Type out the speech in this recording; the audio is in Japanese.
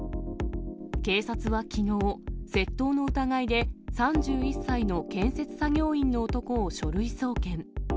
警察はきのう、窃盗の疑いで、３１歳の建設作業員の男を書類送検。